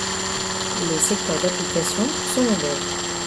Les secteurs d'applications sont nombreux.